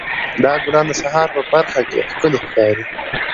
دا ګلان د سهار په پرخه کې ښکلي ښکاري.